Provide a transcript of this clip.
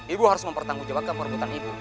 ibu harus mempertanggungjawabkan perebutan ibu